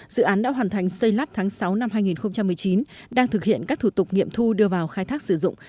dự án đã hoàn thành xây lắp tháng sáu năm hai nghìn một mươi chín đang thực hiện các thủ tục nghiệm thu đưa vào khai thác sử dụng